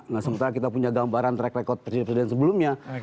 nah sementara kita punya gambaran track record presiden presiden sebelumnya